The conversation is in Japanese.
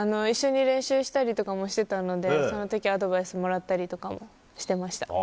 一緒に練習したりとかもしてたんで、そのときアドバイスもらったりとかもしてました。